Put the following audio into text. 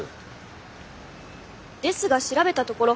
ですが調べたところ